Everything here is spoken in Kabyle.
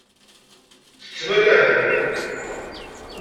Tettmalahem.